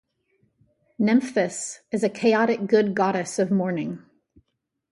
Nephthys is a chaotic good goddess of mourning.